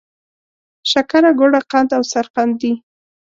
شکره، ګوړه، قند او سرقند دي.